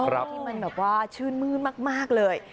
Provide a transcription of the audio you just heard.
ที่มันแบบว่าชื่นมืดมากเลย